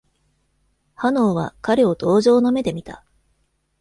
ハノーは彼を同情の目で見た。